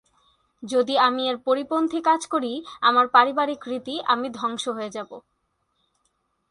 যদি আমি এর পরিপন্থী কাজ করি, আমার পারিবারিক রীতি, আমি ধ্বংস হয়ে যাব।